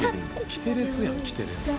『キテレツ』やん『キテレツ』。